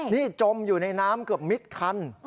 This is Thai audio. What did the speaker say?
นี่จมอยู่ในน้ำเกือบมิดคัน